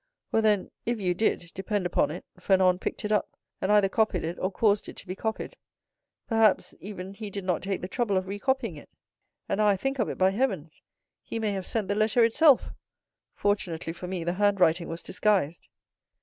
"Well, then, if you did, depend upon it, Fernand picked it up, and either copied it or caused it to be copied; perhaps, even, he did not take the trouble of recopying it. And now I think of it, by Heavens, he may have sent the letter itself! Fortunately, for me, the handwriting was disguised."